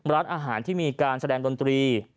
ร้านอาหารที่มีการแสดงดนตรี